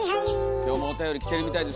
今日もおたより来てるみたいですよ。